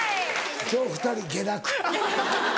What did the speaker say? ・今日２人下落。